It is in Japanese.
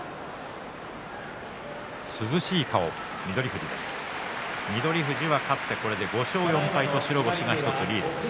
涼しい顔の翠富士です。